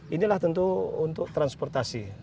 inilah tentu untuk transportasi